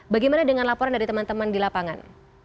bagaimana dengan laporan dari teman teman di lapangan